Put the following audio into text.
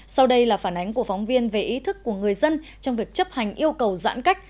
sau đây là phản ánh của phóng viên về ý thức của người dân trong việc chấp hành yêu cầu giãn cách